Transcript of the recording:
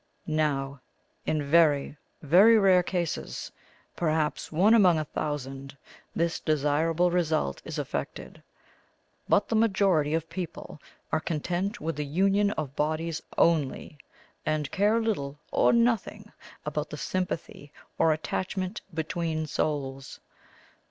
Now, in very, very rare cases, perhaps one among a thousand, this desirable result is effected; but the majority of people are content with the union of bodies only, and care little or nothing about the sympathy or attachment between souls.